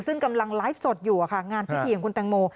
ซึ่งกำลังไลฟ์สดอยู่งานพิธีของคุณแตงโม